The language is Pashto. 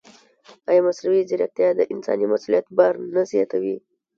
ایا مصنوعي ځیرکتیا د انساني مسؤلیت بار نه زیاتوي؟